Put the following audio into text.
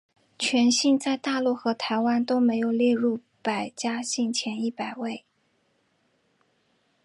全姓在大陆和台湾都没有列入百家姓前一百位。